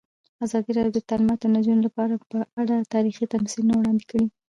ازادي راډیو د تعلیمات د نجونو لپاره په اړه تاریخي تمثیلونه وړاندې کړي.